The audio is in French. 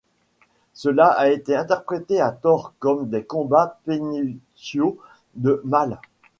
Cela a été interprété à tort comme des combats prénuptiaux de mâles.